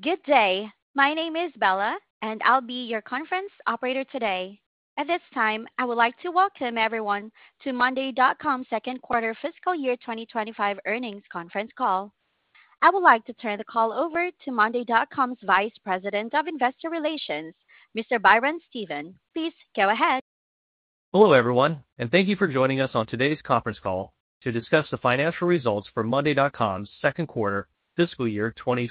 Good day. My name is Bella, and I'll be your conference operator today. At this time, I would like to welcome everyone to monday.com Second Quarter Fiscal Year twenty twenty five Earnings Conference Call. I would like to turn the call over to monday.com's Vice President of Investor Relations, Mr. Byron Steven. Please go ahead. Hello, everyone, and thank you for joining us on today's conference call to discuss the financial results for monday.com's second quarter fiscal year twenty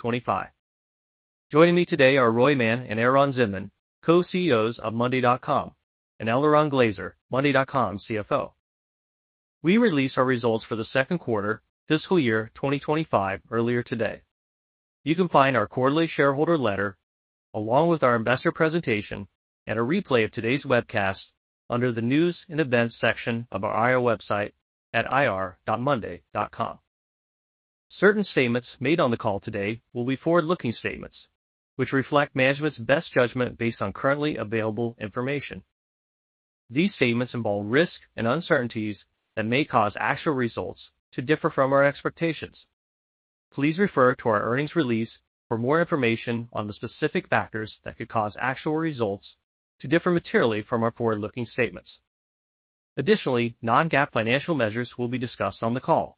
twenty five. Joining me today are Roy Mann and Aaron Zindman, Co CEOs of monday dot com and Eleron Glaser, monday.com's CFO. We released our results for the second quarter fiscal year twenty twenty five earlier today. You can find our quarterly shareholder letter along with our investor presentation and a replay of today's webcast under the News and Events section of our IR website at ir.monday.com. Certain statements made on the call today will be forward looking statements, which reflect management's best judgment based on currently available information. These statements involve risks and uncertainties that may cause actual results to differ from our expectations. Please refer to our earnings release for more information on the specific factors that could cause actual results to differ materially from our forward looking statements. Additionally, non GAAP financial measures will be discussed on the call.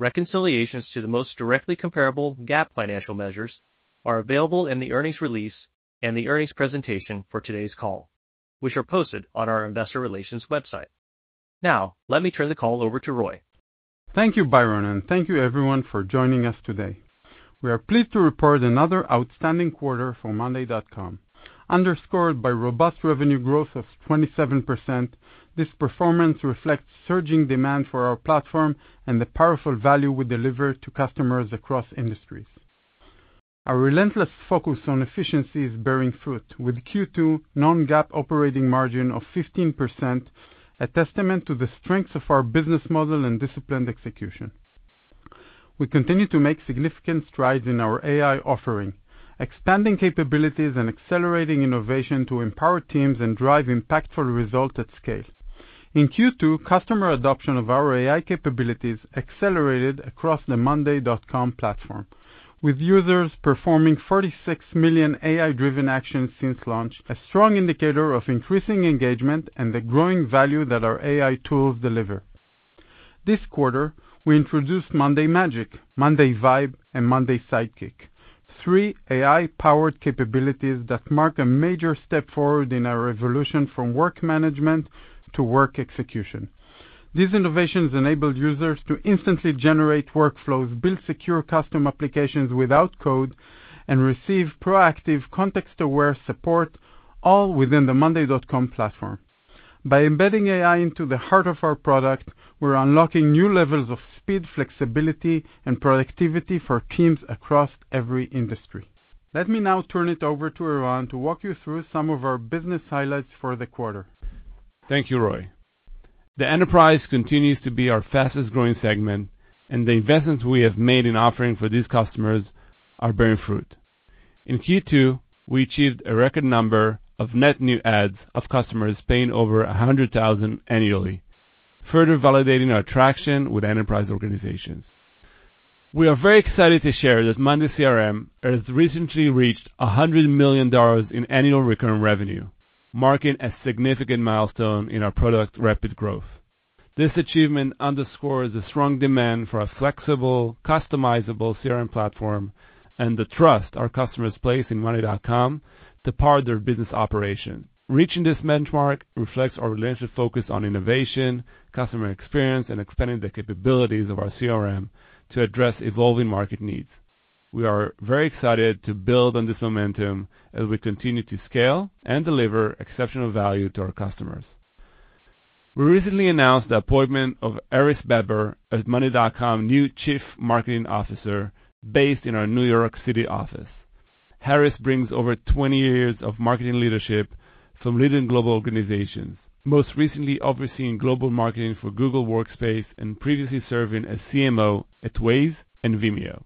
Reconciliations to the most directly comparable GAAP financial measures are available in the earnings release and the earnings presentation for today's call, which are posted on our Investor Relations website. Now, let me turn the call over to Roy. Thank you, Byron, and thank you everyone for joining us today. We are pleased to report another outstanding quarter for monday.com. Underscored by robust revenue growth of 27%, this performance reflects surging demand for our platform and the powerful value we deliver to customers across industries. Our relentless focus on efficiency is bearing fruit with Q2 non GAAP operating margin of 15%, a testament to the strengths of our business model and disciplined execution. We continue to make significant strides in our AI offering, expanding capabilities and accelerating innovation to empower teams and drive impactful results at scale. In Q2, customer adoption of our AI capabilities accelerated across the monday.com platform with users performing 46,000,000 AI driven actions since launch, a strong indicator of increasing engagement and the growing value that our AI tools deliver. This quarter we introduced Monday Magic, Monday Vibe and Monday Sidekick, three AI powered capabilities that mark a major step forward in our evolution from work management to work execution. These innovations enable users to instantly generate workflows, build secure custom applications without code and receive proactive context aware support all within the monday.com platform. By embedding AI into the heart of our product, we're unlocking new levels of speed, flexibility and productivity for teams across every industry. Let me now turn it over to Erwan to walk you through some of our business highlights for the quarter. Thank you, Roy. The enterprise continues to be our fastest growing segment and the investments we have made in offering for these customers are bearing fruit. In Q2, we achieved a record number of net new adds of customers paying over $100,000 annually, further validating our traction with enterprise organizations. We are very excited to share that Monday CRM has recently reached $100,000,000 in annual recurring revenue, marking a significant milestone in our product's rapid growth. This achievement underscores the strong demand for a flexible, customizable CRM platform and the trust our customers place in money.com to power their business operation. Reaching this benchmark reflects our relentless focus on innovation, customer experience and expanding the capabilities of our CRM to address evolving market needs. We are very excited to build on this momentum as we continue to scale and deliver exceptional value to our customers. We recently announced the appointment of Harris Beber as money.com new Chief Marketing Officer based in our New York City office. Harris brings over twenty years of marketing leadership from leading global organizations, most recently overseeing global marketing for Google Workspace and previously serving as CMO at Waze and Vimeo,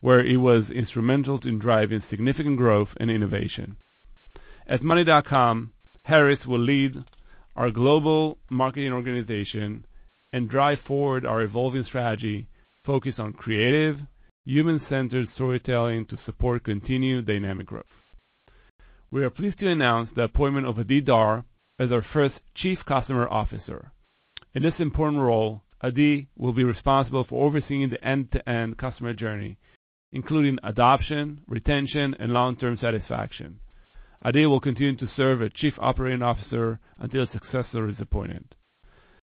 where he was instrumental in driving significant growth and innovation. At money.com, Harris will lead our global marketing organization and drive forward our evolving strategy focused on creative, human centered storytelling to support continued dynamic growth. We are pleased to announce the appointment of Adi Dhar as our first Chief Customer Officer. In this important role, Adi will be responsible for overseeing the end to end customer journey, including adoption, retention and long term satisfaction. Adi will continue to serve as Chief Operating Officer until successor is appointed.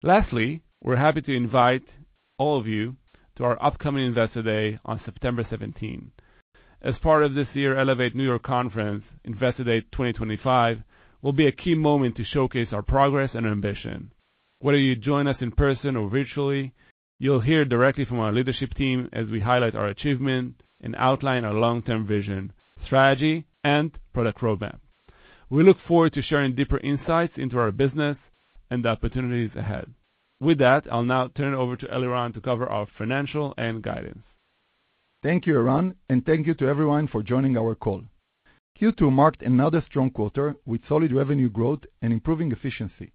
Lastly, we're happy to invite all of you to our upcoming Investor Day on September 17. As part of this year, Elevate New York Conference, Investor Day twenty twenty five will be a key moment to showcase our progress and ambition. Whether you join us in person or virtually, you'll hear directly from our leadership team as we highlight our achievement and outline our long term vision, strategy and product roadmap. We look forward to sharing deeper insights into our business and the opportunities ahead. With that, I'll now turn it over to Eliran to cover our financial and guidance. Thank you, Eliran, and thank you to everyone for joining our call. Q2 marked another strong quarter with solid revenue growth and improving efficiency.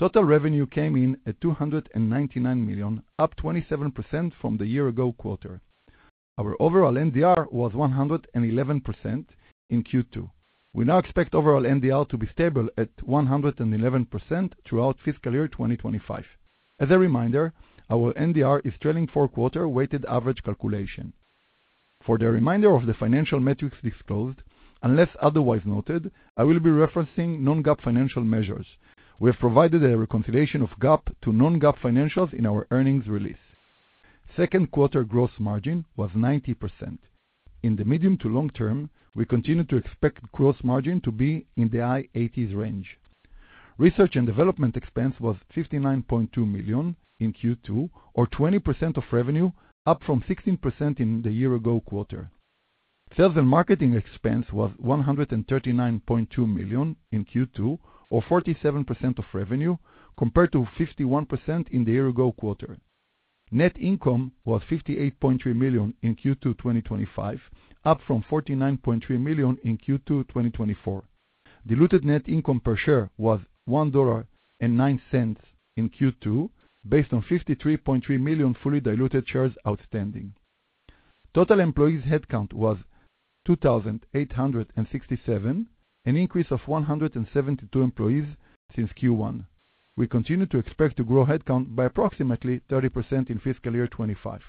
Total revenue came in at $299,000,000 up 27% from the year ago quarter. Our overall NDR was 111% in Q2. We now expect NDR to be stable at 111% throughout fiscal year twenty twenty five. As a reminder, our NDR is trailing four quarter weighted average calculation. For the remainder of the financial metrics disclosed, unless otherwise noted, I will be referencing non GAAP financial measures. We have provided a reconciliation of GAAP to non GAAP financials in our earnings release. Second quarter gross margin was 90%. In the medium to long term, we continue to expect gross margin to be in the high 80s range. Research and development expense was $59,200,000 in Q2 or 20% of revenue, up from 16% in the year ago quarter. Sales and marketing expense was $139,200,000 in Q2 or forty seven percent of revenue compared to 51% in the year ago quarter. Net income was $58,300,000 in Q2 twenty twenty five, up from $49,300,000 in Q2 twenty twenty four. Diluted net income per share was $1.9 in Q2 based on 53,300,000.0 fully diluted shares outstanding. Total employees headcount was 2,867, an increase of 172 employees since Q1. We continue to expect to grow headcount by approximately 30% in fiscal year twenty twenty five.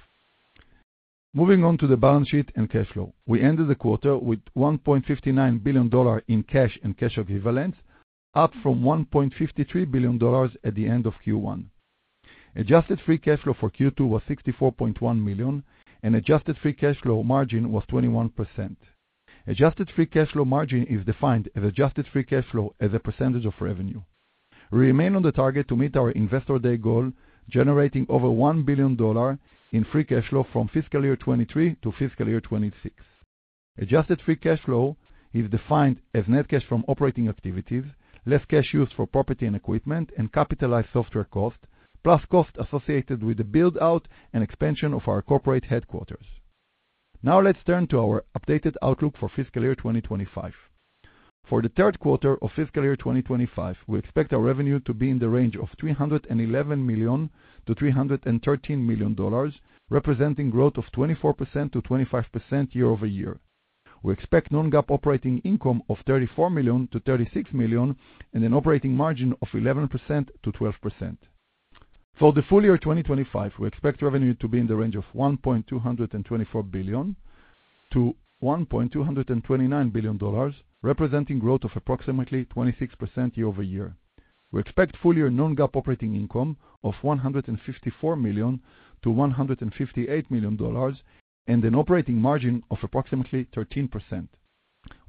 Moving on to the balance sheet and cash flow, we ended the quarter with $1,590,000,000 in cash and cash equivalents, up from $1,530,000,000 at the end of Q1. Adjusted free cash flow for Q2 was $64,100,000 and adjusted free cash flow margin was 21%. Adjusted free cash flow margin is defined as adjusted free cash flow as a percentage of revenue. We remain on the target to meet our Investor Day goal, generating over $1,000,000,000 in free cash flow from fiscal year twenty twenty three to fiscal year twenty twenty six. Adjusted free cash flow is defined as net cash from operating activities, less cash used for property and equipment and capitalized software cost, plus costs associated with the build out and expansion of our corporate headquarters. Now let's turn to our updated outlook for fiscal year twenty twenty five. For the 2025, we expect our revenue to be in the range of $311,000,000 to $313,000,000 representing growth of 24% to 25 year over year. We expect non GAAP operating income of $34,000,000 to $36,000,000 and an operating margin of 11% to 12%. The full year 2025, we expect revenue to be in the range of $1,224,000,000 to $1,229,000,000 representing growth of approximately 26% year over year. We expect full year non GAAP operating income of $154,000,000 to $158,000,000 and an operating margin of approximately 13%.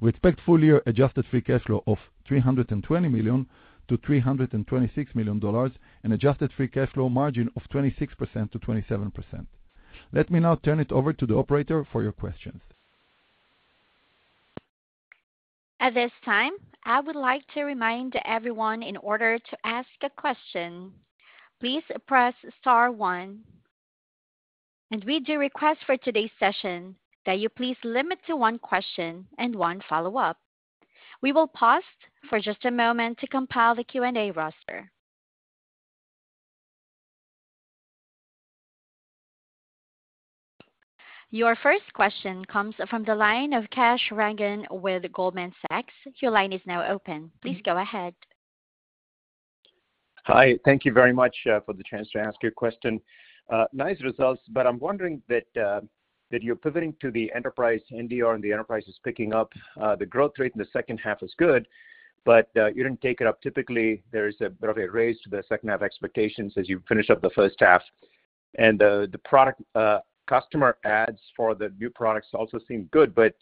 We expect full year adjusted free cash flow of $320,000,000 to $326,000,000 and adjusted free cash flow margin of 26% to 27%. Let me now turn it over to the operator for your questions. At this time, I would like to remind everyone in order to ask a question, please press 1. And we do request for today's session that you please limit to one question and one follow-up. Your first question comes from the line of Kash Rangan with Goldman Sachs. Your line is now open. Please go ahead. Hi. Thank you very much for the chance to ask your question. Nice results, but I'm wondering that you're pivoting to the enterprise NDR and the enterprise is picking up. The growth rate in the second half is good, but you didn't take it up. Typically, there is a bit of a raise to the second half expectations as you finish up the first half. And the product customer adds for the new products also seem good, but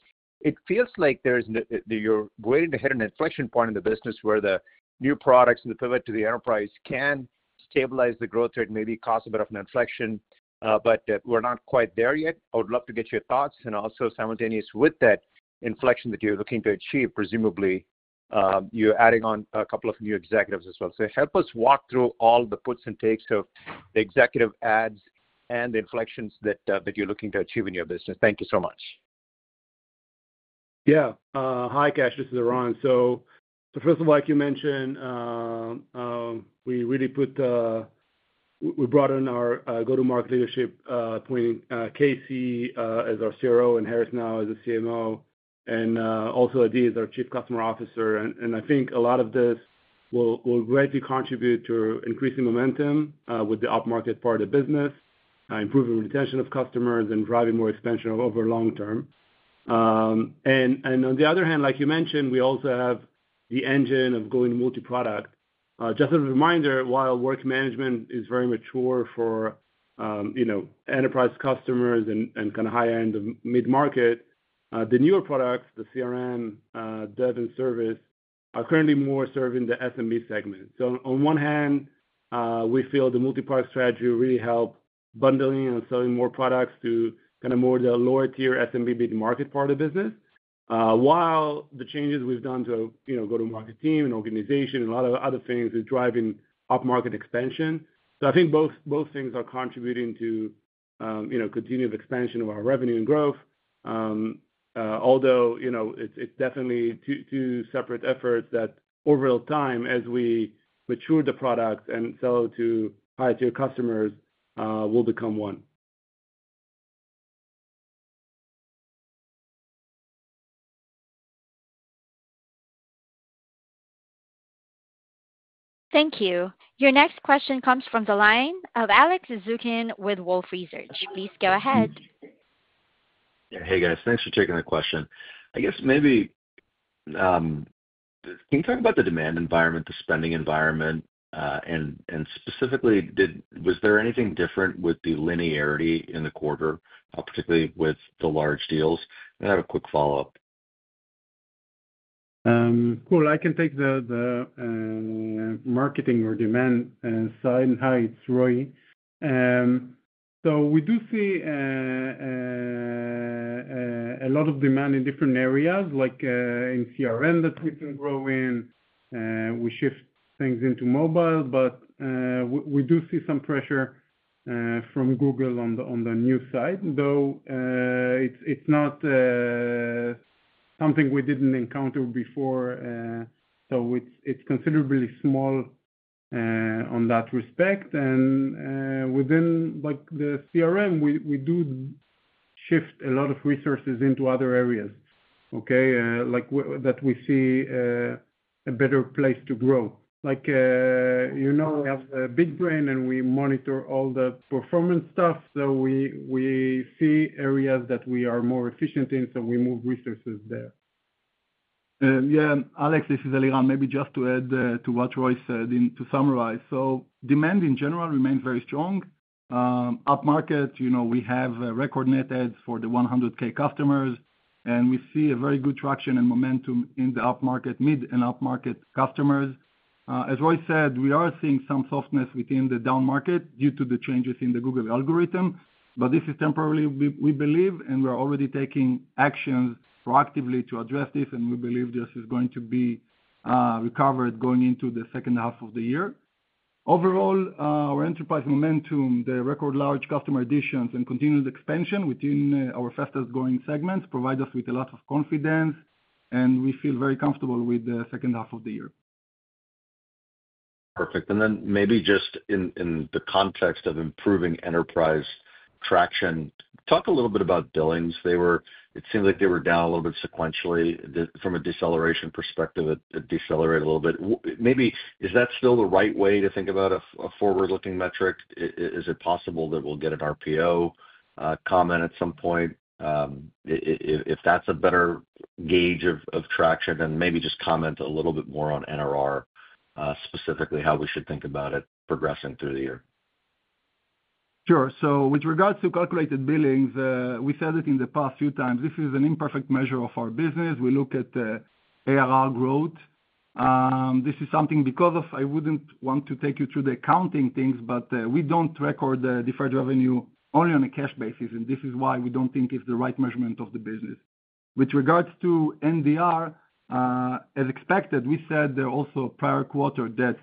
it feels like there's you're waiting to hit an inflection point in the business where the new products and the pivot to the enterprise can stabilize the growth rate, maybe cause a bit of an inflection, but we're not quite there yet. I would love to get your thoughts. And also, simultaneous with that inflection that you're looking to achieve, presumably, you're adding on a couple of new executives as well. Help us walk through all the puts and takes of the executive ads and the inflections that you're looking to achieve in your business. Thank you so much. Yeah, hi, Kash, this is Iran. So first of all, like you mentioned, we really put we brought in our go to market leadership, Casey as our CRO and Harris now as a CMO and also Adi as our Chief Customer Officer. I think a lot of this will greatly contribute to increasing momentum with the upmarket part of business, improving retention of customers and driving more expansion over long term. And on the other hand, like you mentioned, we also have the engine of going multi product. Just as a reminder, work management is very mature for, you know, enterprise customers and kind of high end of mid market, the newer products, the CRM, dev and service are currently more serving the SMB segment. So on one hand, we feel the multipart strategy really help bundling and selling more products to kind of more the lower tier SMB market part of business, while the changes we've done to, you know, go to market team and organization and lot of other things is driving up market expansion. So I think both both things are contributing to, you know, continued expansion of our revenue and growth. Although, you know, it's definitely two separate efforts that over time as we mature the product and sell to high tier customers will become one. Thank you. Your next question comes from the line of Alex Zukin with Wolfe Research. Please go ahead. Hey, guys. Thanks for taking the question. I guess maybe, can you talk about the demand environment, the spending environment? And and specifically, did was there anything different with the linearity in the quarter, particularly with the large deals? And I have a quick follow-up. Cool. I can take the marketing or demand side. Hi, it's Roy. So, do see a lot of demand in different areas like in CRM that we can grow in, we shift things into mobile, but we do see some pressure from Google on the new site, though it's not something we didn't encounter before, so it's considerably small on that respect and within like the CRM, we do shift a lot of resources into other areas, okay, that we see a better place to grow. Like, you know, we have big brain and we monitor all the performance stuff, so we see areas that we are more efficient in, so we move resources there. Alex, this is Eliran. Maybe just to add to what Roy said, to summarize. So demand in general remains very strong. Upmarket, you know, we have record net adds for the 100,000 customers and we see a very good traction and momentum in the mid and upmarket customers. As Roy said, we are seeing some softness within the downmarket due to the changes in the Google algorithm, but this is temporarily we believe and we're already taking actions proactively to address this and we believe this is going to be recovered going into the second half of the year. Overall, our enterprise momentum, the record large customer additions and continued expansion within our fastest growing segments provide us with a lot of confidence and we feel very comfortable with the second half of the year. Perfect. And then maybe just in the context of improving enterprise traction, talk a little bit about billings. They were it seems like they were down a little bit sequentially. From a deceleration perspective, it decelerated a little bit. Maybe is that still the right way to think about a forward looking metric? Is it possible that we'll get an RPO comment at some point? If that's a better gauge of traction, and maybe just comment a little bit more on NRR, specifically how we should think about it progressing through the year. Sure. So with regards to calculated billings, we said it in the past few times, this is an imperfect measure of our business. We look at ARR growth. This is something because of I wouldn't want to take you through the accounting things, but we don't record the deferred revenue only on a cash basis and this is why we don't think it's the right measurement of the business. With regards to NDR, as expected, we said there also prior quarter that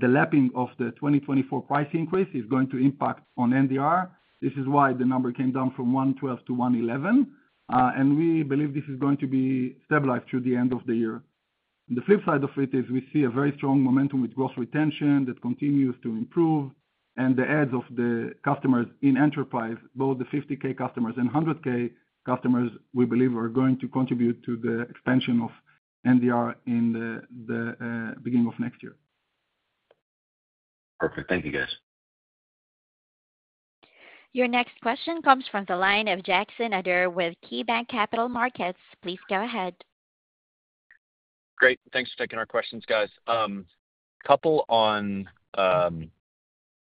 the lapping of the 2024 price increase is going to impact on NDR. This is why the number came down from 112 to 111 and we believe this is going to be stabilized through the end of the year. The flip side of it is we see a very strong momentum with gross retention that continues to improve and the ads of the customers in enterprise, both the 50 ks customers and 100 ks customers, we believe are going to contribute to the expansion of MDR in the beginning of next year. Perfect. Thank you, guys. Your next question comes from the line of Jackson Ader with KeyBanc Capital Markets. Please go ahead. Great. Thanks for taking our questions, guys. Couple on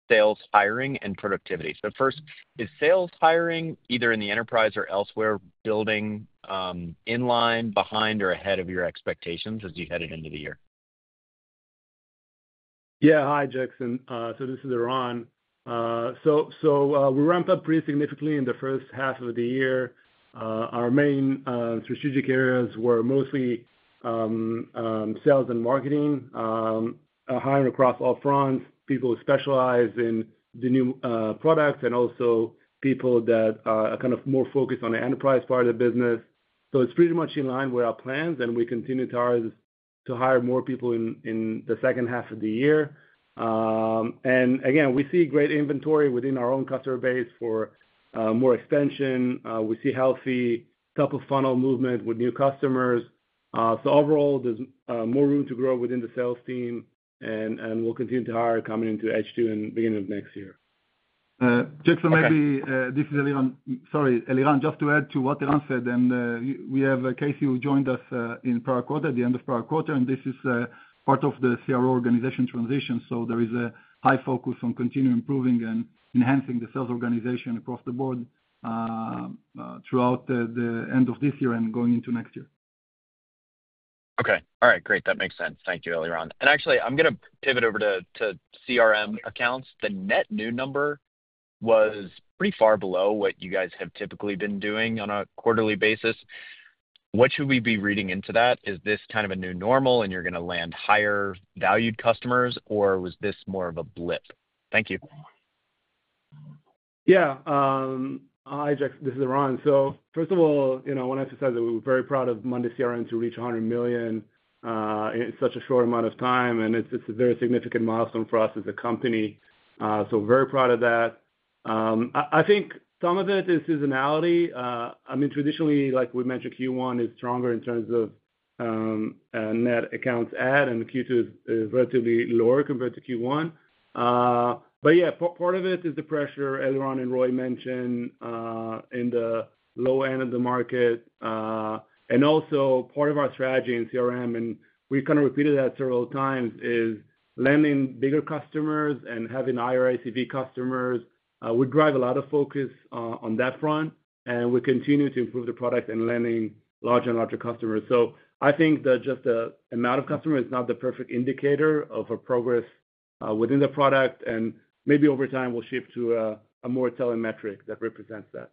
sales hiring and productivity. So first, is sales hiring either in the enterprise or elsewhere building in line behind or ahead of your expectations as you headed into the year? Yeah. Hi, Jackson. So this is Iran. So we ramped up pretty significantly in the first half of the year. Our main strategic areas were mostly sales and marketing, hiring across all fronts, people who specialize in the new products and also people that are kind of more focused on the enterprise part of the business. So it's pretty much in line with our plans and we continue to hire more people in the second half of the year. And again, we see great inventory within our own customer base for more extension. We see healthy top of funnel movement with new customers. So overall, there's more room to grow within the sales team and we'll continue to hire coming into H2 and beginning of next year. Jaxo, maybe this is Eliran. Sorry, Eliran, just to add to what Eliran said, and we have Casey who joined us in prior quarter at the end of prior quarter, and this is part of the CRO organization transition. So there is a high focus on continuing improving and enhancing the sales organization across the board throughout the end of this year and going into next year. Okay. All right. Great. That makes sense. Thank you, Eliran. And actually, I'm going to pivot over to CRM accounts. The net new number was pretty far below what you guys have typically been doing on a quarterly basis. What should we be reading into that? Is this kind of a new normal and you're gonna land higher valued customers, or was this more of a blip? Thank you. Yeah. Hi, Jack. This is Ron. So first of all, I want to emphasize that we were very proud of Monday CRM to reach 100,000,000 in such a short amount of time, and it's a very significant milestone for us as a company. So very proud of that. I think some of it is seasonality. I mean, like we mentioned, Q1 is stronger in terms of net accounts add and Q2 is relatively lower compared to Q1. But yeah, part of it is the pressure, as Ron and Roy mentioned, in the low end of the market. And also part of our strategy in CRM, and we kind of repeated that several times, is lending bigger customers and having higher ACV customers would drive a lot of focus on that front and we continue to improve the product and landing larger and larger customers. So I think that just the amount of customer is not the perfect indicator of a progress within the product and maybe over time we'll shift to a more telemetric that represents that.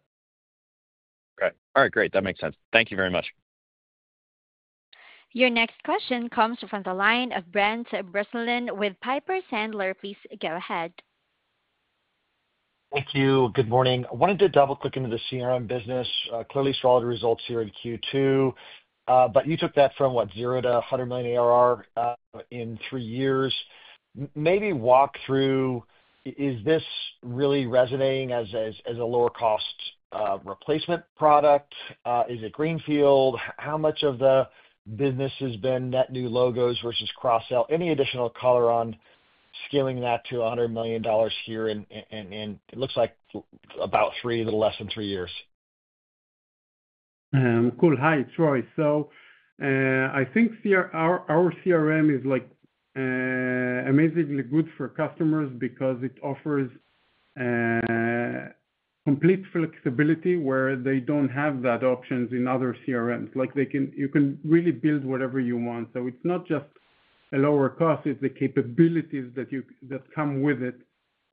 Okay. All right. Great. That makes sense. Thank you very much. Your next question comes from the line of Brent Bracelin with Piper Sandler. Please go ahead. Thank you. Good morning. I wanted to double click into the CRM business. Clearly, solid results here in Q2. But you took that from, what, dollars 0 to $100,000,000 ARR, in three years. Maybe walk through, is this really resonating as a lower cost replacement product? Is it greenfield? How much of the business has been net new logos versus cross sell? Any additional color on scaling that to $100,000,000 here and it looks like about three, a little less than three years. Cool. Hi, it's Roy. So, I think our CRM is like amazingly good for customers because it offers complete flexibility where they don't have that options in other CRMs, like you can really build whatever you want. So it's not just a lower cost, it's the capabilities that come with it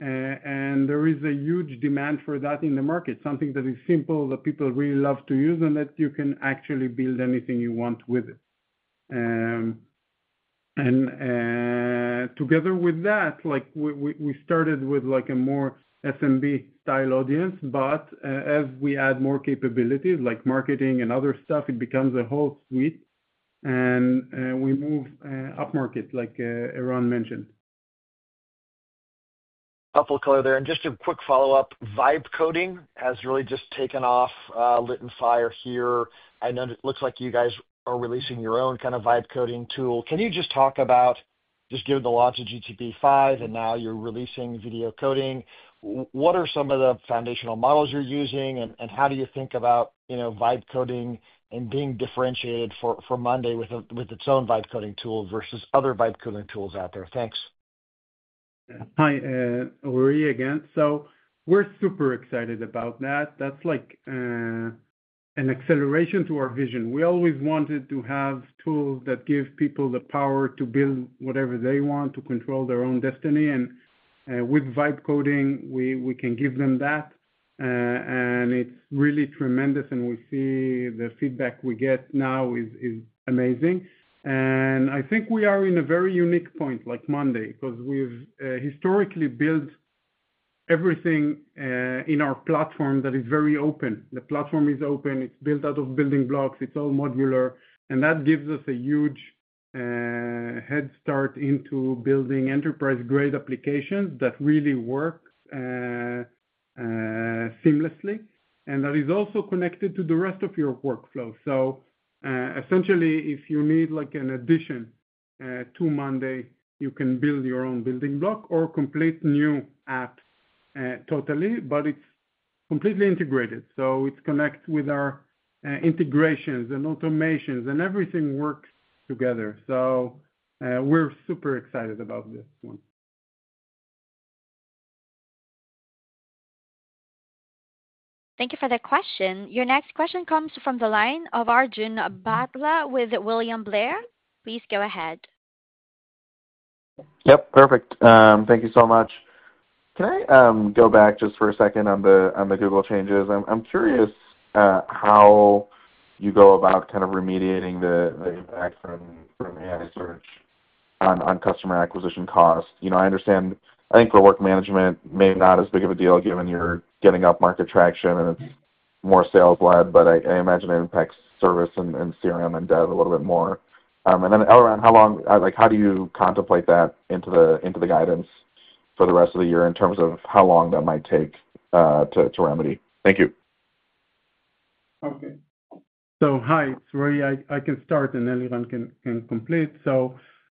and there is a huge demand for that in the market, something that is simple that people really love to use and that you can actually build anything you want with it. Together with that, started with a more SMB style audience, but as we add more capabilities like marketing and other stuff, it becomes a whole suite and we move upmarket like Eran mentioned. A couple of color there and just a quick follow-up, Vibe coding has really just taken off lit and fire here. I know it looks like you guys are releasing your own kind of vibe coding tool. Can you just talk about, just given the launch of GTP five and now you're releasing video coding, what are some of the foundational models you're using? And how do you think about vibe coding and being differentiated for Monday with its own Vibe coding tools versus other Vibe coding tools out there? Thanks. Uri again. So, we're super excited about that. That's like an acceleration to our vision. We always wanted to have tools that give people the power to build whatever they want to control their own destiny and with Vibe coding we can give them that and it's really tremendous and we see the feedback we get now is amazing and I think we are in a very unique point like Monday because we've historically built everything in our platform that is very open. The platform is open, it's built out of building blocks, it's all modular and that gives us a huge head start into building enterprise grade applications that really work seamlessly and that is also connected to the rest of your workflow. So essentially, if you need like an addition to Monday, you can build your own building block or complete new app totally, but it's completely integrated, so it connects with our integrations and automations and everything works together. So we're super excited about this one. Thank you for the question. Your next question comes from the line of Arjun Bhatla with William Blair. Please go ahead. Yep. Perfect. Thank you so much. Can I go back just for a second on the on the Google changes? I'm I'm curious how you go about kind of remediating the the impact from from AI search customer acquisition costs? I understand, I think for work management may not as big of a deal given you're getting up market traction and it's more sales led, but I imagine it impacts service and CRM and dev a little bit more. And then Eliran, how long, like how do you contemplate that into the guidance for the rest of the year in terms of how long that might take to remedy? Thank you. Okay. So, it's Rui. I can start and then everyone can complete.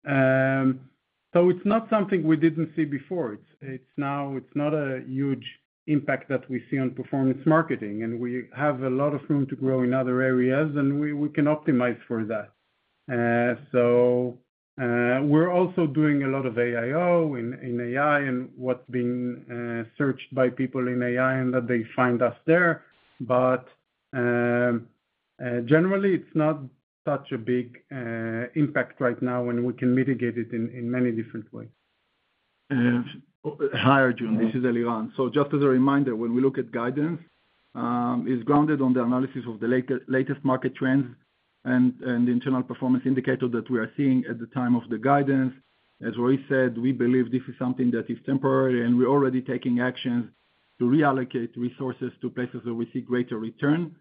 So, it's not something we didn't see before. It's not a huge impact that we see on performance marketing and we have a lot of room to grow in other areas and we can optimize for that. So, we're also doing a lot of AIO in AI and what's been searched by people in AI and that they find us there but generally it's not such a big impact right now and we can mitigate it in many different ways. Hi Arjun, this is Eliran. So just as a reminder, when we look at guidance, it's grounded on the analysis of the latest market trends and internal performance indicator that we are seeing at the time of the guidance. As Ruiz said, we believe this is something that is temporary and we're already taking actions to reallocate resources to places where we see greater return.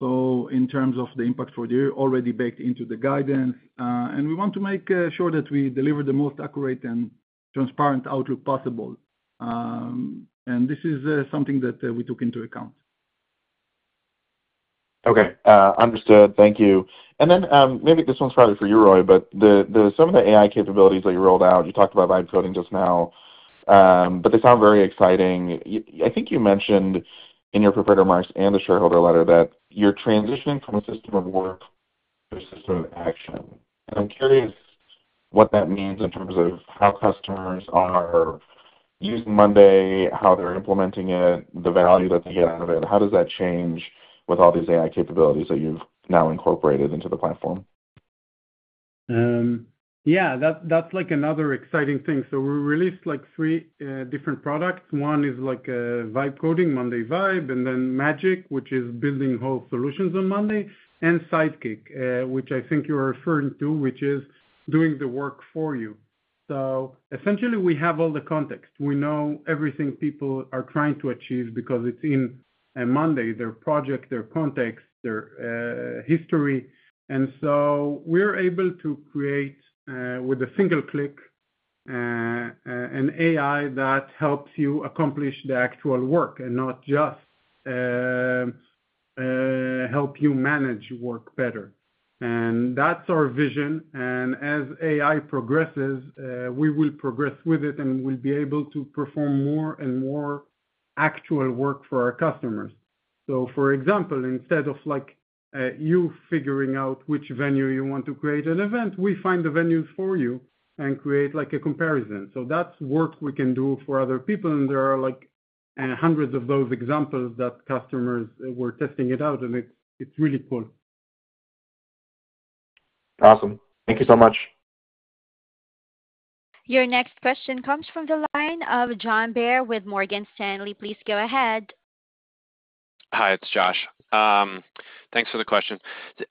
So, terms of the impact for the year already baked into the guidance and we want to make sure that we deliver the most accurate and transparent outlook possible. And this is something that we took into account. Okay, understood. Thank you. And then maybe this one's probably for you Roy, but some of the AI capabilities that you rolled out, you talked about byte coding just now, but they sound very exciting. I think you mentioned in your prepared remarks and the shareholder letter that you're transitioning from a system of work to a system of action. And I'm curious what that means in terms of how customers are using Monday, how they're implementing it, the value that they get out of it. How does that change with all these AI capabilities that you've now incorporated into the platform? Yeah. That that's like another exciting thing. So we released like three different products. One is like vibe coding, Monday Vibe and then Magic, which is building whole solutions on Monday and Sidekick, which I think you're referring to, which is doing the work for you. So essentially, we have all the context. We know everything people are trying to achieve because it's in a mandate, their project, their context, their history and so we're able to create with a single click an AI that helps you accomplish the actual work and not just help you manage work better and that's our vision and as AI progresses, we will progress with it and we'll be able to perform more and more actual work for our customers. So for example, of like you figuring out which venue you want to create an event, we find the venue for you and create like a comparison. So that's work we can do for other people and there are like hundreds of those examples that customers were testing it out and it's really cool. Awesome. Thank you so much. Your next question comes from the line of John Bear with Morgan Stanley. Please go ahead. Hi, it's Josh. Thanks for the question.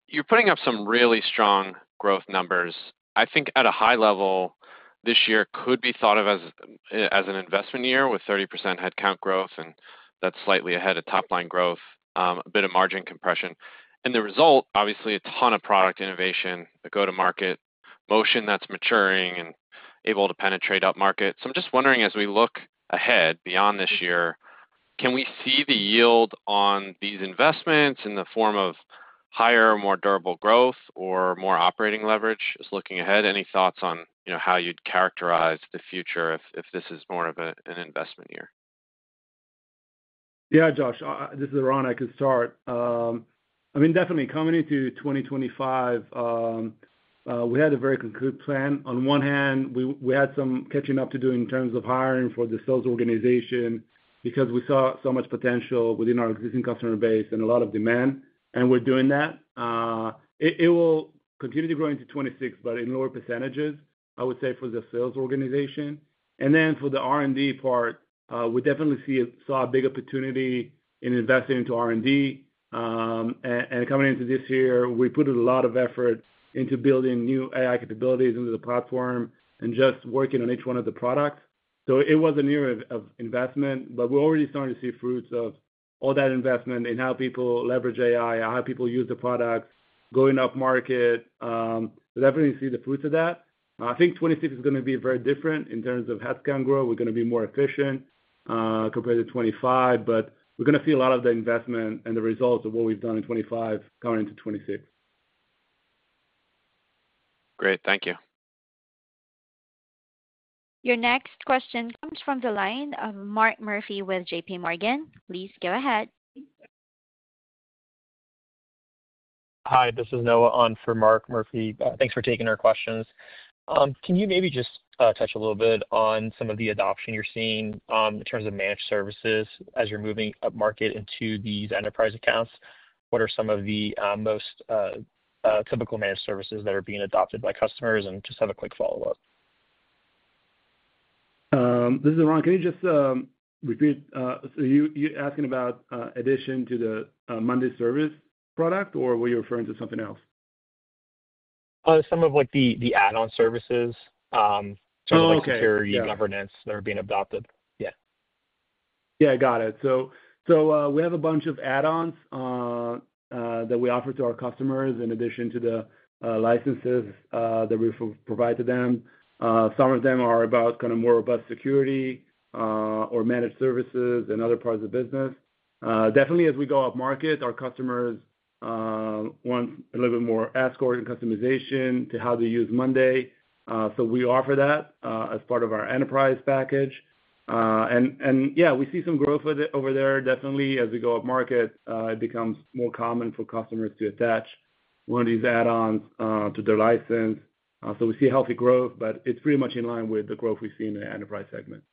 You're putting up some really strong growth numbers. I think at a high level, this year could be thought of as an investment year with 30% headcount growth and that's slightly ahead of top line growth, a bit of margin compression. And the result, obviously, a ton of product innovation, the go to market motion that's maturing and able to penetrate upmarket. So I'm just wondering as we look ahead beyond this year, can we see the yield on these investments in the form of higher, more durable growth or more operating leverage just looking ahead? Any thoughts on how you'd characterize the future if this is more of an investment year? Yes, Josh, this is Ron. I can start. I mean, definitely coming into 2025, we had a very concrete plan. On one hand, we had some catching up to do in terms of hiring for the sales organization because we saw so much potential within our existing customer base and a lot of demand and we're doing that. It will continue to grow into '26, but in lower percentages, I would say for the sales organization. And then for the R and D part, we definitely saw a big opportunity in investing into R and D and coming into this year, we put a lot of effort into building new AI capabilities into the platform and just working on each one of the products. So it was a new investment, but we're already starting to see fruits of all that investment in how people leverage AI, how people use the products, going up market. We definitely see the fruits of that. I think '26 is going to be very different in terms of headcount growth. We're going to be more efficient compared to '25, but we're going to see a lot of the investment and the results of what we've done in '25 going into '26. Great. Thank you. Your next question comes from the line of Mark Murphy with JPMorgan. Please go ahead. Hi. This is Noah on for Mark Murphy. Thanks for taking our questions. Can you maybe just touch a little bit on some of the adoption you're seeing in terms of managed services as you're moving up market into these enterprise accounts? What are some of the most typical managed services that are being adopted by customers? And just have a quick follow-up. This is Ron. Can you just repeat? Are you asking about addition to the Monday service product or were you referring to something else? Some of what the add on services, certainly security governance that are being adopted. Yeah, got it. So, we have a bunch of add ons, that we offer to our customers in addition to the licenses that we provide to them. Some of them are about kind of more robust security or managed services and other parts of the business. Definitely as we go up market, our customers want a little bit more ad score and customization to how they use Monday. So we offer that as part of our enterprise package. And yeah, we see some growth with it over there. Definitely, as we go up market, it becomes more common for customers to attach one of these add ons to their license. So we see healthy growth, but it's pretty much in line with the growth we've seen in the enterprise segment.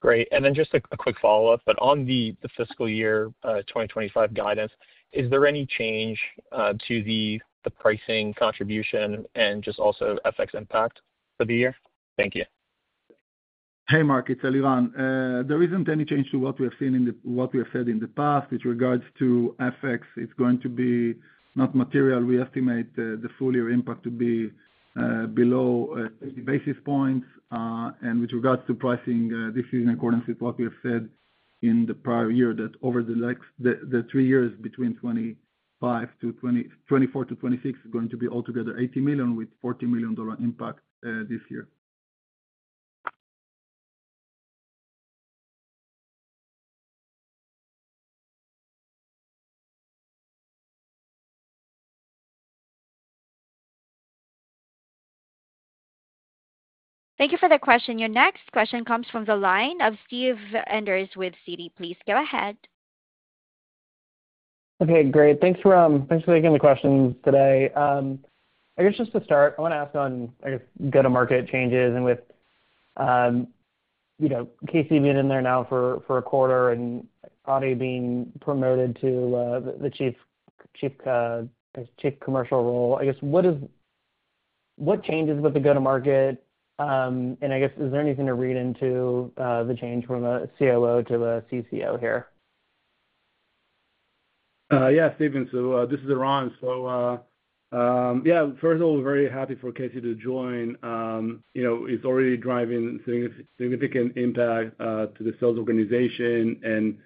Great. And then just a quick follow-up. But on the fiscal year twenty twenty five guidance, is there any change to the pricing contribution and just also FX impact for the year? Thank you. Hey, Mark, it's Eliran. There isn't any change to what we have seen in the what we have said in the past. With regards to FX, it's going to be not material. We estimate the full year impact to be below 30 basis points. And with regards to pricing, this is in accordance with what we have said in the prior year that over the three years between 2024 to 2026 is going to be altogether $80,000,000 with $40,000,000 impact this year. Thank you for the question. Your next question comes from the line of Steve Enders with Citi. Please go ahead. Okay, great. Thanks for taking the questions today. Guess I just to start, I wanna ask on, I guess, go to market changes and with, know, Casey being in there now for for a quarter and Adi being promoted to the chief chief commercial role. I guess, what is what changes with the go to market? And I guess, is there anything to read into the change from a COO to the CCO here? Yes, Steven. So this is Ron. So yeah, first of we're very happy for Casey to join. You know, it's already driving significant impact to the sales organization and,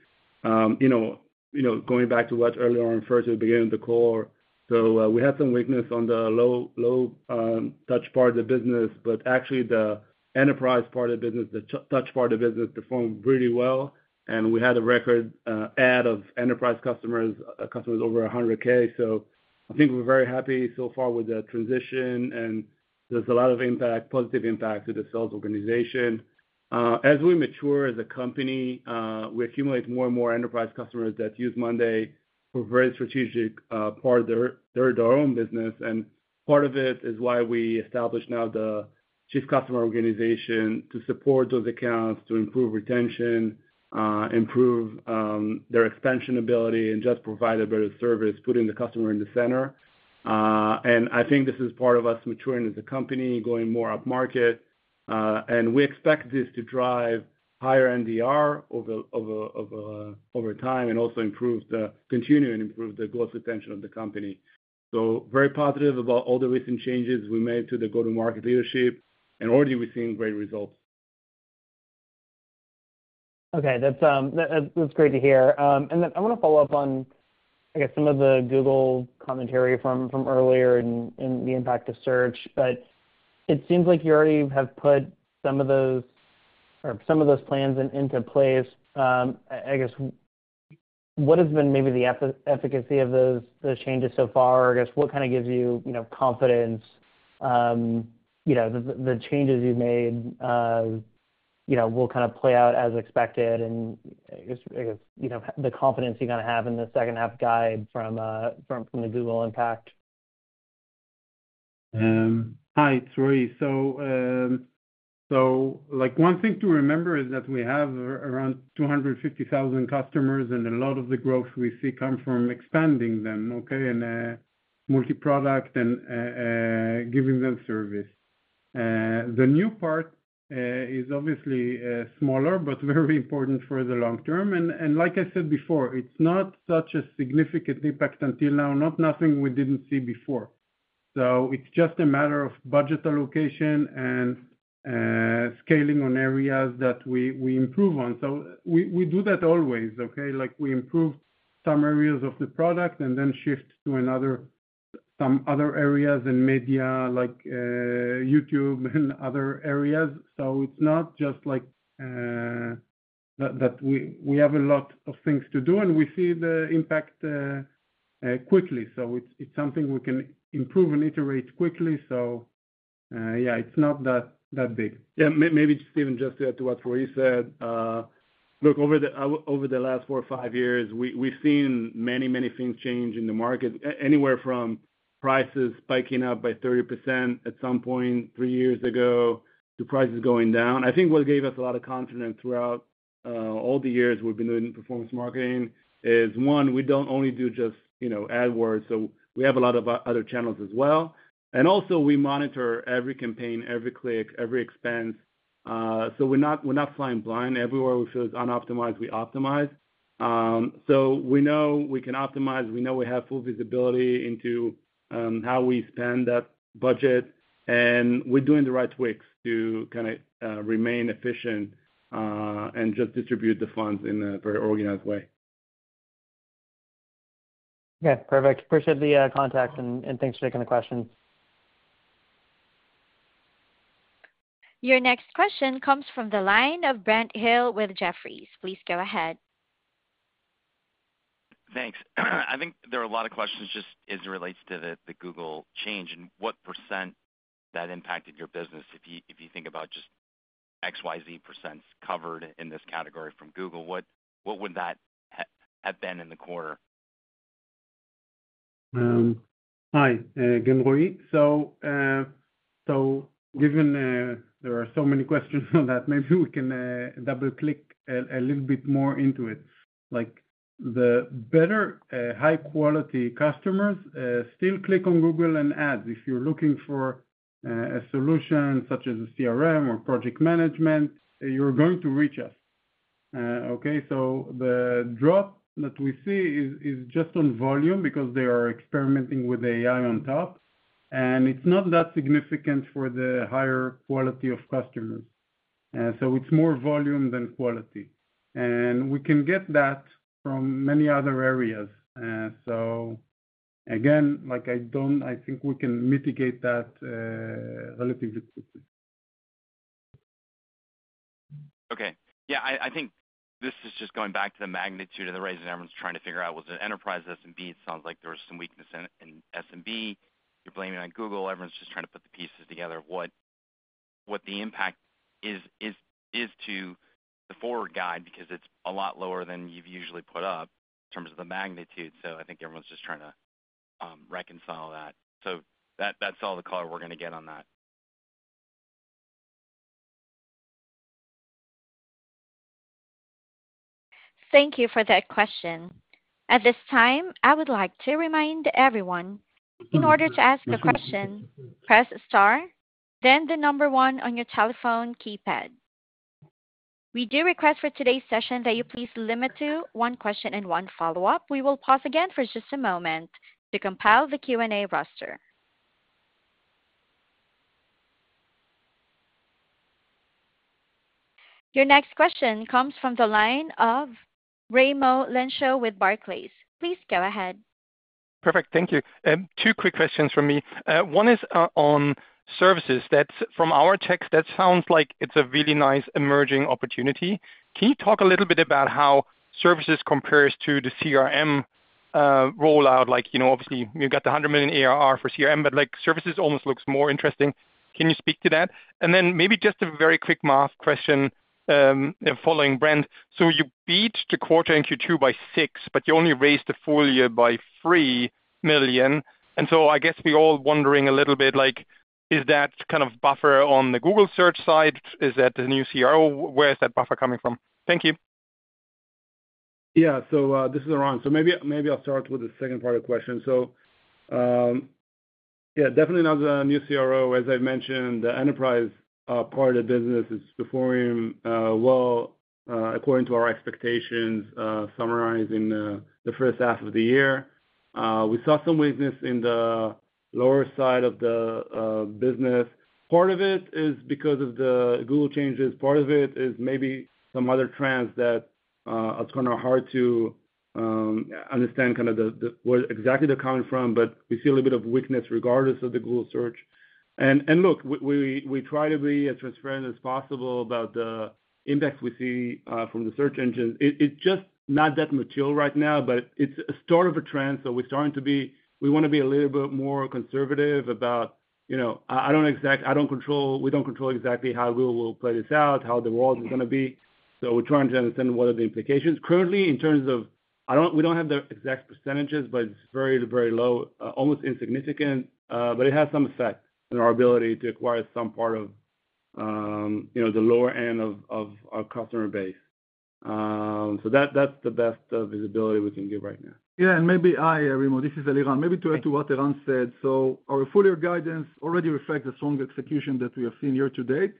know, going back to what earlier on first at the beginning of the call. So we had some weakness on the low touch part of the business, but actually the enterprise part of business, the touch part of business performed really well. And we had a record add of enterprise customers, customers over 100 ks. So I think we're very happy so far with the transition and there's a lot of impact, positive impact to the sales organization. As we mature as a company, we accumulate more and more enterprise customers that use Monday for very strategic part of their own business. And part of it is why we established now the chief customer organization to support those accounts, to improve retention, improve their expansion ability and just provide a better service, putting the customer in the center. And I think this is part of us maturing as a company, going more upmarket, and we expect this to drive higher NDR over time and also improve the continue and improve the growth retention of the company. So very positive about all the recent changes we made to the go to market leadership and already we're seeing great results. Okay. That's great to hear. And then I want to follow-up on, I guess, some of the Google commentary from earlier and the impact of search. It seems like you already have put some of those plans into place. What has been maybe the efficacy of those changes so far? What gives you confidence The changes you've made will kind of play out as expected and the confidence you're to have in the second half guide from the Google impact? Hi, it's Rui. So, like one thing to remember is that we have around 250,000 customers and a lot of the growth we see comes from expanding them, okay, and multi product and giving them service. The new part is obviously smaller but very important for the long term and like I said before, it's not such a significant impact until now, nothing we didn't see before. So, it's just a matter of budget allocation and scaling on areas that we improve on. We do that always, okay, like we improve some areas of the product and then shift to some other areas in media like YouTube and other areas. So, it's not just like that we have a lot of things to do and we see the impact quickly. So it's something we can improve and iterate quickly. So yeah, it's not that big. Yeah, maybe Steven, just to to what Roy said, look over the last four or five years, we've seen many, many things change in the market, anywhere from prices spiking up by 30% at some point three years ago, to prices going down. I think what gave us a lot of confidence throughout all the years we've been doing performance marketing is one, we don't only do just AdWords, so we have a lot of other channels as well. And also we monitor every campaign, every click, every expense. So we're flying blind everywhere we feel is unoptimized, we optimize. So we know we can optimize, we know we have full visibility into how we spend that budget and we're doing the right tweaks to kind of remain efficient and just distribute the funds in a very organized way. Okay. Perfect. Appreciate the contact, and thanks for taking the questions. Next question comes from the line of Brent Hill with Jefferies. Please go ahead. Thanks. I think there are a lot of questions just as it relates to the Google change and what percent that impacted your business if you think about just XYZ percents covered in this category from Google, what would that have been in the quarter? Guillermoi. So, given there are so many questions on that, maybe we can double click a little bit more into it. Like the better high quality customers still click on Google and add. If you're looking for a solution such as a CRM or project management, you're going to reach us. Okay? So the drop that we see is just on volume because they are experimenting with AI on top, and it's not that significant for the higher quality of customers. So it's more volume than quality and we can get that from many other areas. So again, I think we can mitigate that relatively quickly. Okay. Yeah, I think this is just going back to the magnitude of the raise that everyone's trying to figure out was an enterprise SMB. It sounds like there was some weakness in SMB. You're blaming on Google. Everyone's just trying to put the pieces together of what the impact is to the forward guide because it's a lot lower than you've usually put up in terms of the magnitude. I think everyone's just trying to reconcile that. So that's all the color we're gonna get on that. Thank you for that question. At this time, I would like to remind everyone, in order to ask a question, press star, Your next question comes from the line of Raimo Lenschow with Barclays. Perfect. Two quick questions for me. One is on Services. That's from our text, that sounds like it's a really nice emerging opportunity. Can you talk a little bit about how Services compares to the CRM rollout? Like, obviously, you've got the 100,000,000 ARR for CRM, but like Services almost looks more interesting. Can you speak to that? And then maybe just a very quick math question following Brent. So you beat the quarter in Q2 by $6 but you only raised the full year by $3,000,000 And so I guess we're all wondering a little bit like is that kind of buffer on the Google search side? Is that the new CRO? Where is that buffer coming from? Thank you. Yeah, so this is Aran. So maybe I'll start with the second part of the question. So yeah, definitely not the new CRO, as I mentioned, the enterprise part of the business is performing well according to our expectations, summarized in the first half of the year. We saw some weakness in the lower side of the, business. Part of it is because of the Google changes. Part of it is maybe some other trends that, it's kind of hard to, understand kind of the where exactly they're coming from, but we see a little bit of weakness regardless of the Google search. Look, we try to be as transparent as possible about the impact we see from the search engine. It's just not that material right now, but it's a start of a trend, we're starting to be, we want to be a little bit more conservative about, you know, I don't know exactly, I don't control, we don't control exactly how we will play this out, how the world is gonna be. So we're trying to understand what are the implications currently in terms of, we don't have the exact percentages, but it's very, very low, almost insignificant, but it has some effect in our ability to acquire some part of the lower end of our customer base. So that's the best visibility we can give right now. Yes. And maybe hi, Raimo, this is Eliran. Maybe to add to what Eliran said, so our full year guidance already reflects the strong execution that we have seen year to date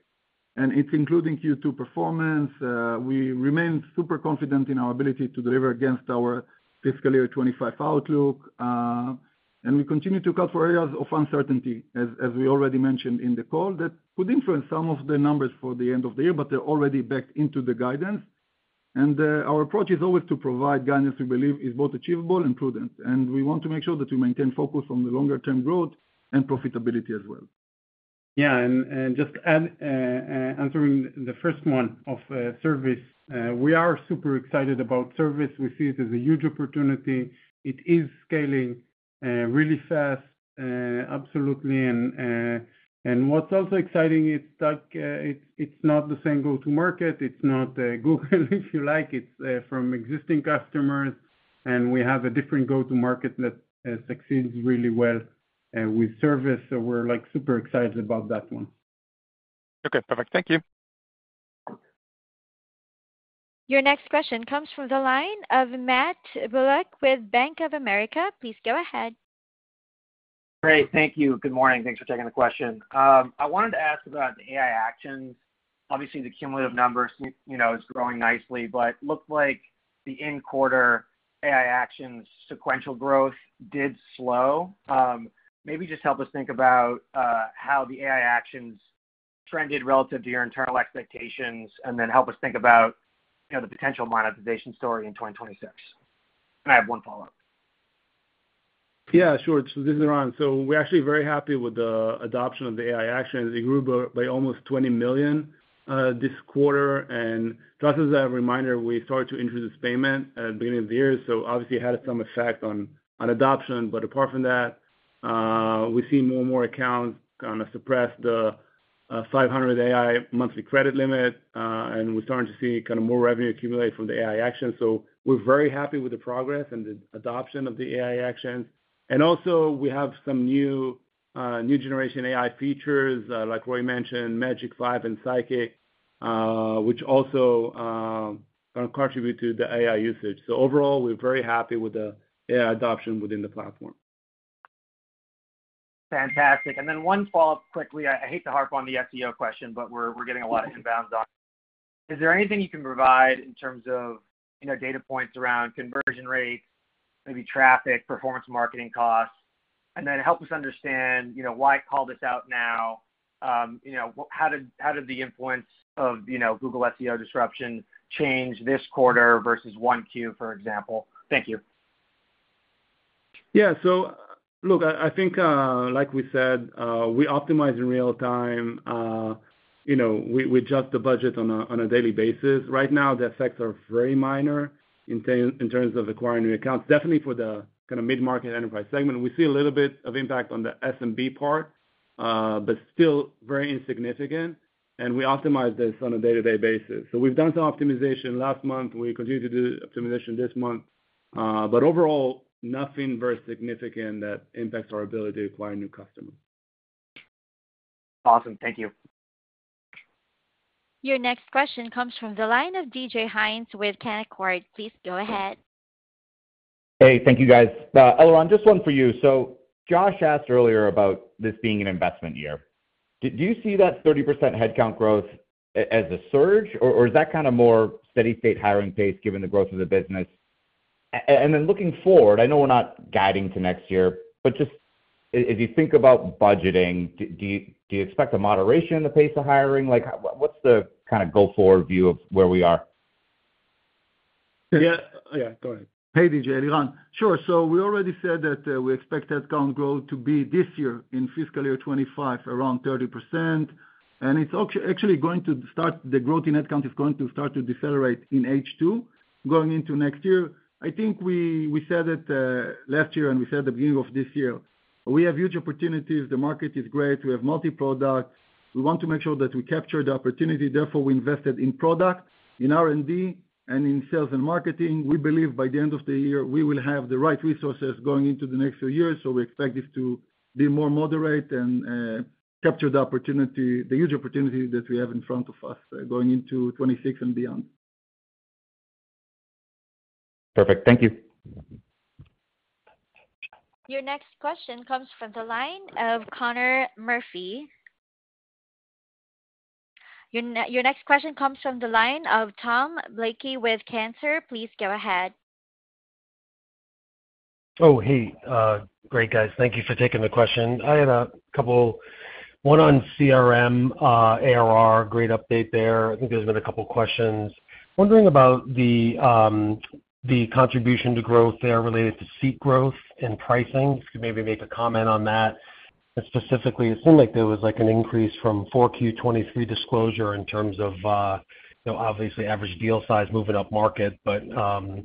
and it's including Q2 performance. We remain super confident in our ability to deliver against our fiscal year twenty twenty five outlook and we continue to cut for areas of uncertainty, we already mentioned in the call, that could influence some of the numbers for the end of the year, but they're already backed into the guidance. And our approach is always to provide guidance we believe is both achievable and prudent and we want to make sure that we maintain focus on the longer term growth and profitability as well. Yeah, and just answering the first one of service, we are super excited about service, we see it as a huge opportunity, it is scaling really fast, absolutely and what's also exciting is that it's not the same go to market, it's not Google if you like, it's from existing customers and we have a different go to market that succeeds really well with service, so we're like super excited about that one. Okay, perfect. Thank you. Your next question comes from the line of Matt Bullock with Bank of America. Please go ahead. Great. Thank you. Good morning. Thanks for taking the question. I wanted to ask about AI actions. Obviously, the cumulative numbers is growing nicely, but it looked like the in quarter AI actions sequential growth did slow. Maybe just help us think about how the AI actions trended relative to your internal expectations and then help us think about the potential monetization story in 2026. And I have one follow-up. Yeah, sure. This is Ron. So we're actually very happy with the adoption of the AI action. It grew by almost $20,000,000 this quarter. And just as a reminder, we started to introduce payment at the beginning of the year, so obviously it had some effect on adoption. But apart from that, we see more and more accounts kind of suppress the 500 AI monthly credit limit, and we're starting to see kind of more revenue accumulate from the AI action. So we're very happy with the progress and the adoption of the AI action. And also we have some new generation AI features like Roy mentioned, Magic five and Psychic, which also contribute to the AI usage. So overall, we're very happy with the AI adoption within the platform. Fantastic. And then one follow-up quickly. I hate to harp on the SEO question, but we're getting a lot of inbounds on. Is there anything you can provide in terms of data points around conversion rates, maybe traffic, performance marketing costs? And then help us understand why call this out now? How did the influence of Google SEO disruption change this quarter versus 1Q, for example? Thank you. Yeah, so look, I think, like we said, we optimize in real time, know, we adjust the budget on daily basis. Right now, the effects are very minor in terms of acquiring new accounts. Definitely for the kind of mid market enterprise segment, we see a little bit of impact on the SMB part, but still very insignificant and we optimize this on a day to day basis. So we've done some optimization last month. We continue to do optimization this month. But overall, nothing very significant that impacts our ability to acquire new customers. Awesome. Thank you. Your next question comes from the line of DJ Hines with Canaccord. Please go ahead. Hey. Thank you, guys. Eliran, just one for you. So Josh asked earlier about this being an investment year. Do you see that 30% headcount growth as a surge? Or is that kind of more steady state hiring pace given the growth of the business? And then looking forward, I know we're not guiding to next year, but just if you think about budgeting, do you expect a moderation in the pace of hiring? Like what's the kind of go forward view of where we are? Go ahead. Hey, D. J, Eliran. Sure. So we already said that we expect headcount growth to be this year in fiscal year twenty twenty five around 30%, and it's actually going to start the growth in headcount is going to start to decelerate in H2 going into next year. I think we said it last year and we said at beginning of this year, we have huge opportunities. The market is great. We have multi product. We want to make sure that we capture the opportunity. Therefore, we invested in product, in R and D and in sales and marketing. We believe by the end of the year, we will have the right resources going into the next few years. So, we expect this to be more moderate and capture the opportunity the huge opportunity that we have in front of us going into 2026 and beyond. Perfect. Thank you. Your next question comes from the line of Connor Murphy. Your next question comes from the line of Tom Blakey with Cantor. Please go ahead. Hey, great guys. Thank you for taking the question. I had a couple one on CRM ARR, great update there. I think there's been a couple of questions. Wondering about the contribution to growth there related to seat growth and pricing. If you could maybe make a comment on that. Specifically, it seemed like there was like an increase from 4Q twenty twenty three disclosure in terms of obviously average deal size moving up market, but I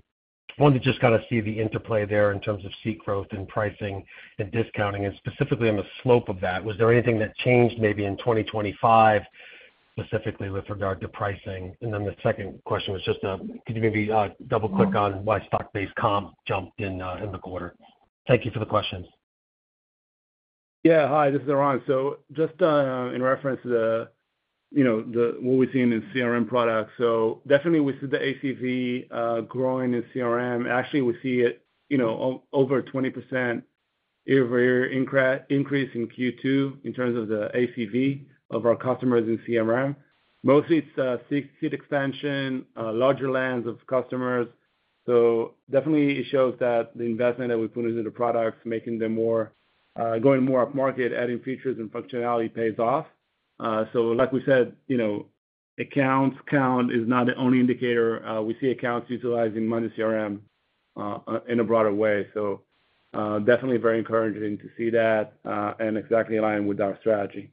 wanted to just kind of see the interplay there in terms of seat growth and pricing and discounting and specifically on the slope of that. Was there anything that changed maybe in 2025 specifically with regard to pricing? And then the second question was just, could you maybe double click on why stock based comp jumped in the quarter? Thank you for the questions. Yeah. Hi, this is Aaron. So just in reference to the, you know, what we've seen in CRM products. So definitely, we see the ACV growing in CRM. Actually, we see it, you know, over 20% year over year increase in q two in terms of the ACV of our customers in CRM. Mostly it's a seat expansion, larger lands of customers. So definitely it shows that the investment that we put into the products, making them more going more upmarket, adding features and functionality pays off. So like we said, you know, accounts count is not the only indicator. We see accounts utilizing money CRM in a broader way. So definitely very encouraging to see that and exactly aligned with our strategy.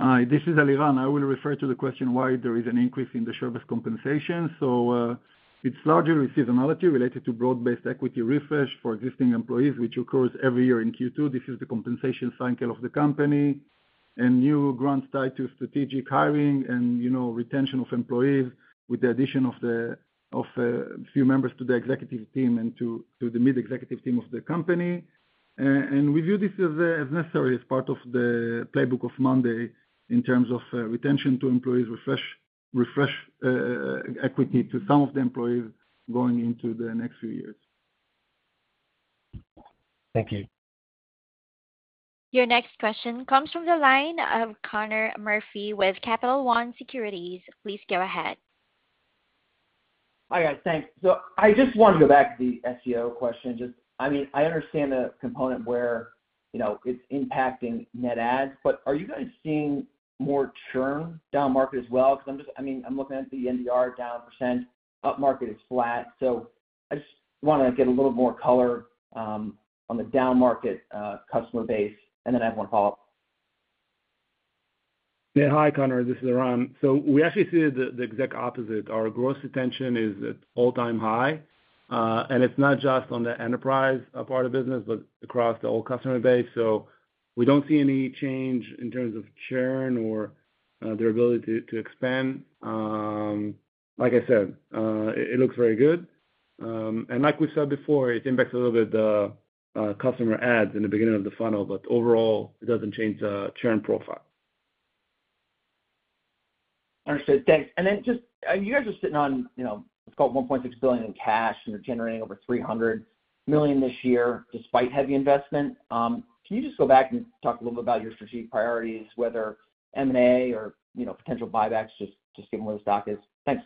Hi, this is Aliran. I will refer to the question why there is an increase in the service compensation. So it's largely seasonality related to broad based equity refresh for existing employees, which occurs every year in Q2. This is the compensation cycle of the company and new grants tied to strategic hiring and retention of employees with the addition of a few members to the executive team and to the mid executive team of the company. And we view this as necessary as part of the playbook of Monday in terms of retention to employees, refresh equity to some of the employees going into the next few years. Thank you. Your next question comes from the line of Connor Murphy with Capital One Securities. Please go ahead. Hi, guys. Thanks. So I just want to go back to the SEO question. Just I mean, I understand the component where you know, it's impacting net ads, but are you guys seeing more churn down market as well? Because I'm just, I mean, I'm looking at the NDR down a percent, up market is flat. So I just wanna get a little more color on the down market customer base. And then I have one follow-up. Yeah. Hi, Conor. This is Iran. So we actually see the exact opposite. Our gross retention is at all time high, and it's not just on the enterprise part of business, but across the whole customer base. So we don't see any change in terms of churn or their ability to expand. Like I said, it looks very good. And like we said before, it impacts a little bit the customer adds in the beginning of the funnel, but overall, it doesn't change the churn profile. Understood, thanks. And then just you guys are sitting on, let's call it $1,600,000,000 in cash and you're generating over $300,000,000 this year despite heavy investment. Can you just go back and talk a little bit about your strategic priorities, whether M and A or potential buybacks, just given where the stock is? Thanks.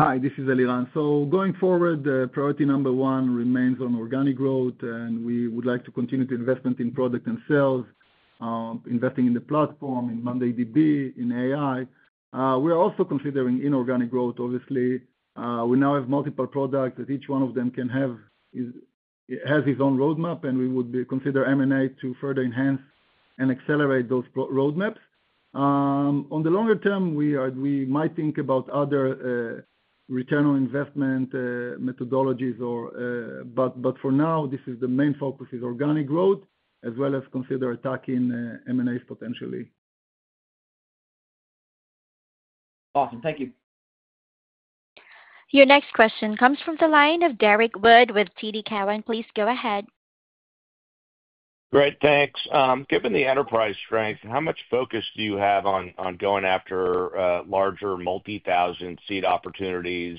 Hi, this is Eliran. So going forward, priority number one remains on organic growth and we would like to continue the investment in product and sales, investing in the platform, in Monday DB, in AI. We're also considering inorganic growth, obviously, we now have multiple products that each one of them can have has its own roadmap and we would consider M and A to further enhance and accelerate those roadmaps. On the longer term, we might think about other return on investment methodologies or but for now, this is the main focus is organic growth, as well as consider attacking M and As potentially. Awesome. Thank you. Your next question comes from the line of Derrick Wood with TD Cowen. Please go ahead. Great. Thanks. Given the enterprise strength, how much focus do you have on going after larger multi thousand seat opportunities,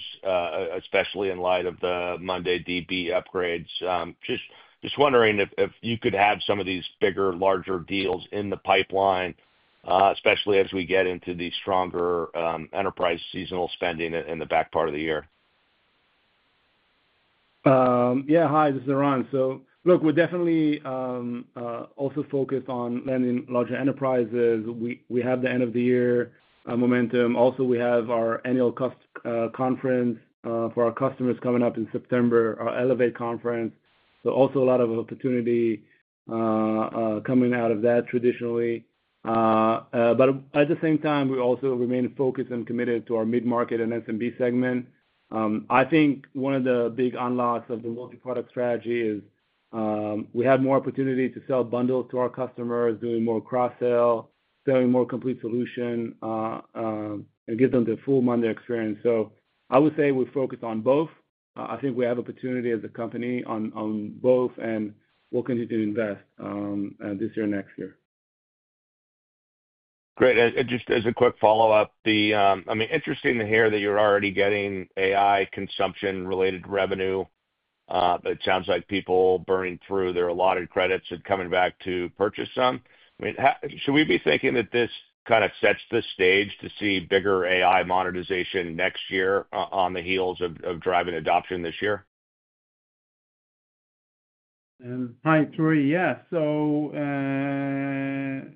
especially in light of the Monday DB upgrades? Just wondering if you could have some of these bigger, larger deals in the pipeline, especially as we get into the stronger enterprise seasonal spending in the back part of the year. Yeah. Hi. This is Aran. So look, we're definitely also focused on lending larger enterprises. We we have the end of the year momentum. Also, we have our annual cost conference for our customers coming up in September, our Elevate Conference. So also a lot of opportunity coming out of that traditionally. But at the same time, we also remain focused and committed to our mid market and SMB segment. I think one of the big unlocks of the multi product strategy is we have more opportunity to sell bundles to our customers, doing more cross sell, selling more complete solution and give them the full Monday experience. So I would say we focus on both. I think we have opportunity as a company on both and we'll continue to invest this year and next year. Great. And just as a quick follow-up, I mean, to hear that you're already getting AI consumption related revenue, but it sounds like people burning through their allotted credits and coming back to purchase some. Should we be thinking that this kind of sets the stage to see bigger AI monetization next year on the heels of driving adoption this year? Hi, Tore. Yes, so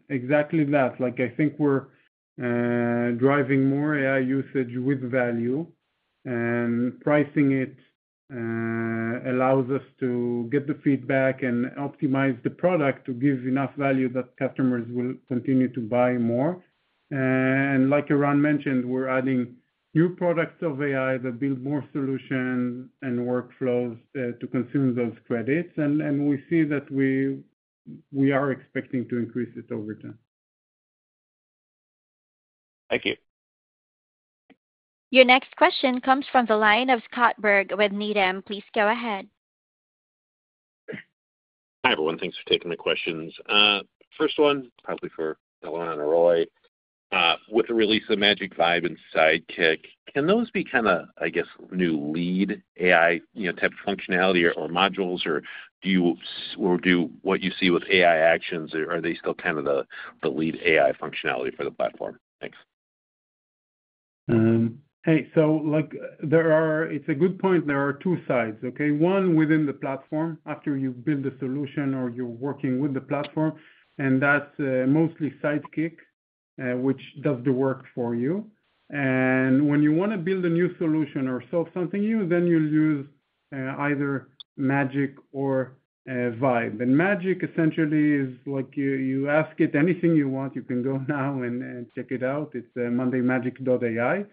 exactly that. Like I think we're driving more AI usage with value and pricing it allows us to get the feedback and optimize the product to give enough value that customers will continue to buy more. And like Eran mentioned, we're adding new products of AI that build more solutions and workflows to consume those credits and we see that we are expecting to increase it over time. Thank you. Your next question comes from the line of Scott Berg with Needham. Please go ahead. Hi, everyone. Thanks for taking the questions. First one, probably for Elana and Roy, With the release of Magic Vibes and Sidekick, can those be kind of, I guess, new lead AI type functionality or modules? Or do you or do what you see with AI actions? Or are they still kind of the lead AI functionality for the platform? Thanks. Hey, so like there are it's a good point, there are two sides, okay? One within the platform after you build the solution or you're working with the platform and that's mostly Sidekick, which does the work for you and when you want to build a new solution or solve something new then you'll use either magic or vibe. And magic essentially is like you ask it anything you want, you can go now and check it out. It's mondaymagic.ai.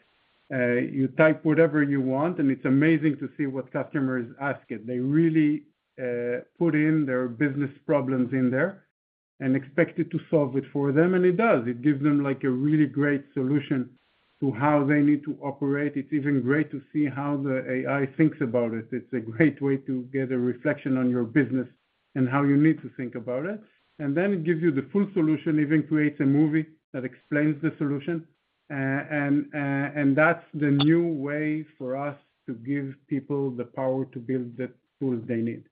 You type whatever you want and it's amazing to see what customers ask it. They really put in their business problems in there and expected to solve it for them and it does. It gives them like a really great solution to how they need to operate, it's even great to see how the AI thinks about it, it's a great way to get a reflection on your business and how you need to think about it and then it gives you the full solution, even creates a movie that explains the solution and that's the new way for us to give people the power to build the tools they need.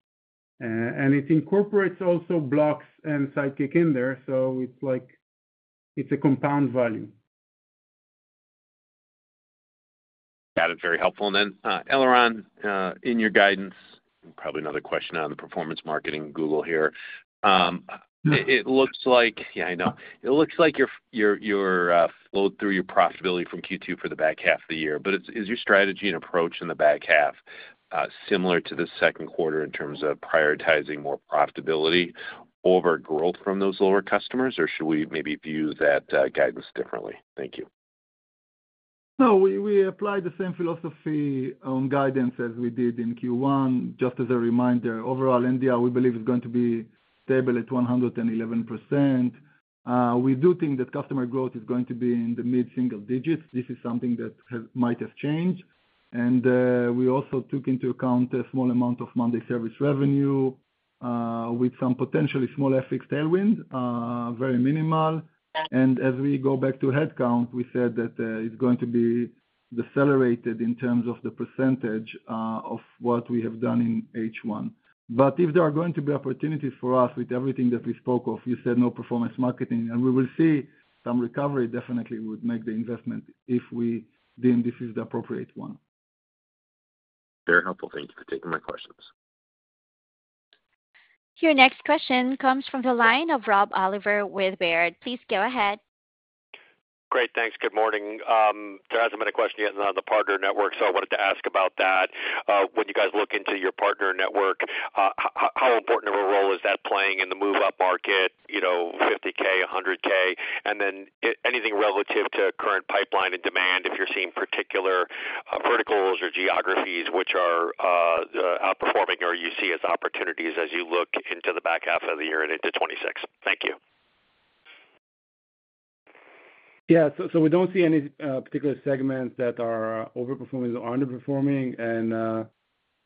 And it incorporates also blocks and psychic in there, so it's like it's a compound value. Got it, very helpful. And then, Eleron, in your guidance, probably another question on the performance marketing Google here. It looks like you're flowed through your profitability from Q2 for the back half of the year, but is your strategy and approach in the back half similar to the second quarter in terms of prioritizing more profitability over growth from those lower customers or should we maybe view that guidance differently? Thank you. No, we applied the same philosophy on guidance as we did in Q1. Just as a reminder, overall India we believe is going to be stable at 111%. We do think that customer growth is going to be in the mid single digits, this is something that might have changed and we also took into account a small amount of Monday service revenue with some potentially small FX tailwind, very minimal, and as we go back to headcount we said that it's going to be decelerated in terms of the percentage of what we have done in H1. But if there are going to be opportunities for us with everything that we spoke of, you said no performance marketing and we will see some recovery, definitely we would make the investment if we deem this is the appropriate one. Very helpful. Thank you for taking my questions. Your next question comes from the line of Rob Oliver with Baird. Please go ahead. Great, thanks. Good morning. There hasn't been a question yet on the partner network, so I wanted to ask about that. When you guys look into your partner network, how important of a role is that playing in the move up market, 50 ks, 100 ks? And then anything relative to current pipeline and demand, if you're seeing particular verticals or geographies which are outperforming or you see as opportunities as you look into the back half of the year and into 2026? Thank you. Yeah, so we don't see any particular segments that are over performing or underperforming. And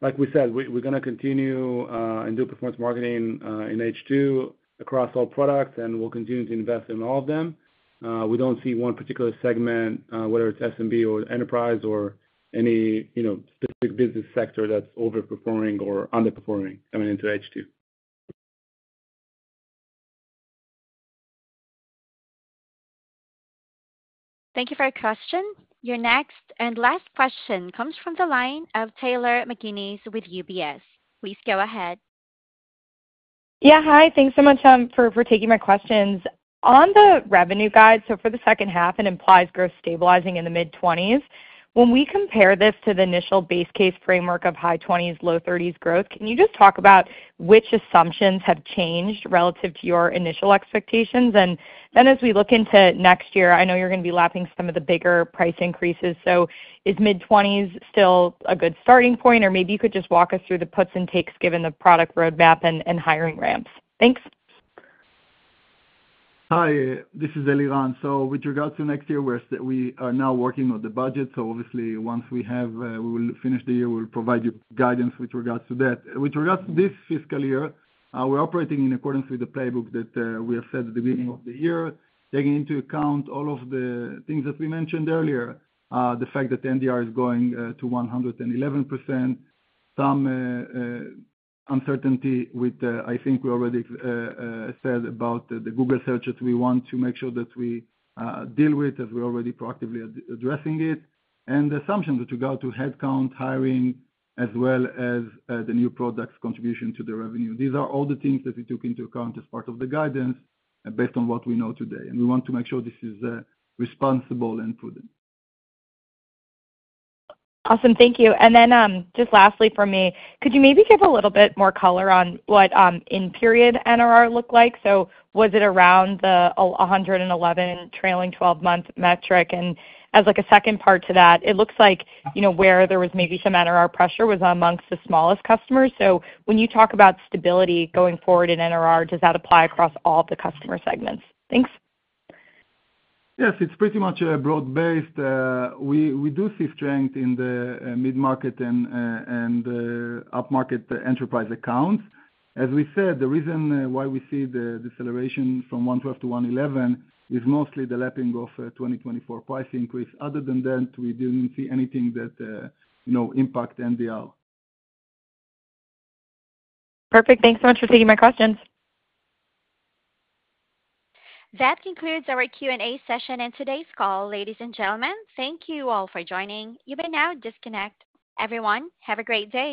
like we said, we're gonna continue and do performance marketing in H2 across all products, and we'll continue to invest in all of them. We don't see one particular segment, whether it's SMB or enterprise or any, you know, specific business sector that's overperforming or underperforming coming into h two. Thank you for your question. Your next and last question comes from the line of Taylor McGinnis with UBS. Please go ahead. Yes. Hi. Thanks so much for taking my questions. On the revenue guide, so for the second half, it implies growth stabilizing in the mid-20s. When we compare this to the initial base case framework of high 20s, low 30s growth, can you just talk about which assumptions have changed relative to your initial expectations? And then as we look into next year, I know you're going to be lapping some of the bigger price increases. So is mid-20s still a good starting point? Or maybe you could just walk us through puts and takes given the product road map and hiring ramps? Thanks. Hi, this is Eliran. So with regards to next year, are now working on the budget. So obviously, once we have we will finish the year, we'll provide you guidance with regards to that. With regards to this fiscal year, we're operating in accordance with the playbook that we have said at the beginning of the year, taking into account all of the things that we mentioned earlier, the fact that NDR is going to 111%, some uncertainty with I think we already said about the Google search that we want to make sure that we deal with, as we're already proactively addressing it, and the assumptions with regard to headcount, hiring, as well as the new products contribution to the revenue. These are all the things that we took into account as part of the guidance based on what we know today and we want to make sure this is responsible and prudent. Awesome, thank you. And then just lastly for me, could you maybe give a little bit more color on what in period NRR looked like? So was it around the 111 trailing twelve month metric? And as like a second part to that, it looks like where there was maybe some NRR pressure was amongst the smallest customers. So when you talk about stability going forward in NRR, does that apply across all of the customer segments? Thanks. Yes, it's pretty much broad based. We do see strength in the mid market and up market enterprise accounts. As we said, the reason why we see the deceleration from 1.5 to 1.11% is mostly the lapping of 2024 price increase. Other than that, we didn't see anything that impact NDR. Perfect. Thanks so much for taking my questions. That concludes our Q and A session in today's call. Ladies and gentlemen, thank you all for joining. You may now disconnect. Everyone, have a great day.